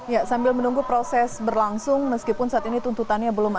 ya sambil menunggu proses berlangsung meskipun saat ini tuntutannya belum ada